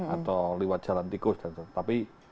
atau lewat jalan tikus dan tapi